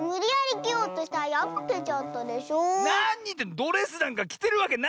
ドレスなんかきてるわけないじゃない！